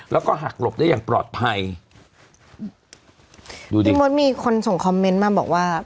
แล้วก็หักหลบได้อย่างปลอดภัยดูดิพี่มดมีคนส่งคอมเมนต์มาบอกว่า